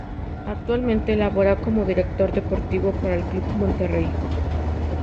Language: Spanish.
Actualmente labora como Director Deportivo para el Club Monterrey.